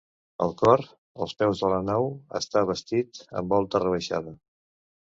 El cor, als peus de la nau, està bastit amb volta rebaixada.